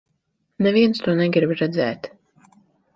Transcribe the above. Neviens to negrib redzēt.